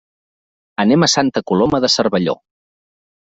Anem a Santa Coloma de Cervelló.